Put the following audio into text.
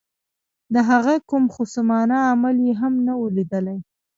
د هغه کوم خصمانه عمل یې هم نه وو لیدلی.